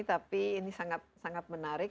tapi ini sangat sangat menarik